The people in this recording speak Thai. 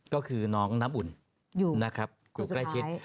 ก็คือน้องน้ำอุ่นอยู่ใกล้ชิด